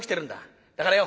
だからよ